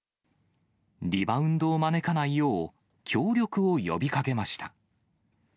リバウンドを招かないよう、協力を呼びかけました。